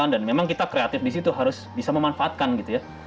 dan memang kita kreatif di situ harus bisa memanfaatkan gitu ya